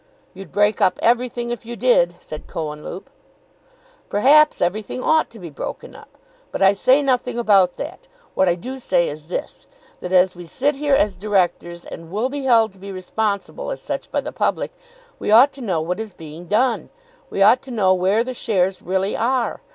"You'd break up everything if you did," said Cohenlupe. "Perhaps everything ought to be broken up. But I say nothing about that. What I do say is this. That as we sit here as directors and will be held to be responsible as such by the public, we ought to know what is being done. We ought to know where the shares really are.